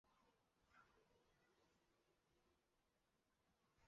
出生于神奈川县川崎市高津区。